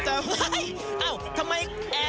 กะห้าห้าวทำไมแอ